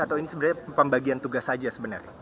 atau ini sebenarnya pembagian tugas saja sebenarnya